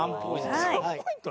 ３ポイント。